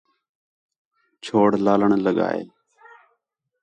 چھوڑ لالݨ لڳا ہے